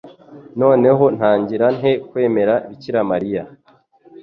Noneho ntangira nte kwemera bikiramariya